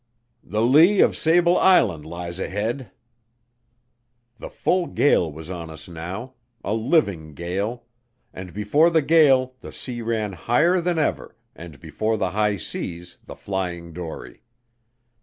"The lee of Sable Island lies ahead." The full gale was on us now a living gale; and before the gale the sea ran higher than ever, and before the high seas the flying dory.